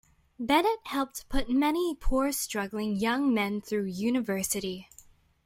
Bennett helped put many poor, struggling young men through university.